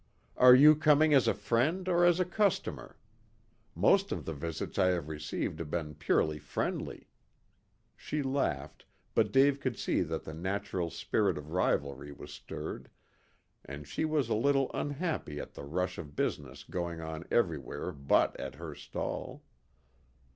"Are you coming as a friend or as a customer? Most of the visits I have received have been purely friendly." She laughed, but Dave could see that the natural spirit of rivalry was stirred, and she was a little unhappy at the rush of business going on everywhere but at her stall.